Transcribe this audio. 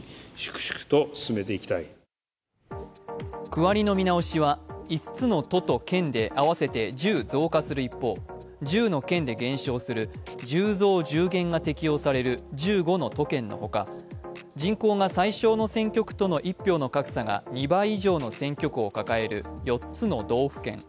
区割りの見直しは５つの都と県で合わせて１０増加する一方１０の県で減少する１０増１０減が適用される１５の都県の他、人口が最小の選挙区との一票の格差が２倍以上の選挙区を抱える４つの道府県。